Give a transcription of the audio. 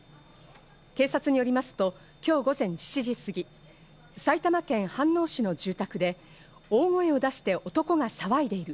警察によりますと今日午前７時過ぎ、埼玉県飯能市の住宅で大声を出して男が騒いでいる。